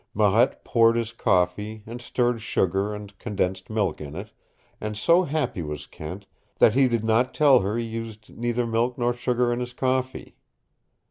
Marette poured his coffee and stirred sugar and condensed milk in it, and so happy was Kent that he did not tell her he used neither milk nor sugar in his coffee.